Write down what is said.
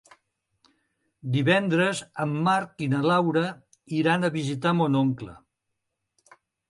Divendres en Marc i na Laura iran a visitar mon oncle.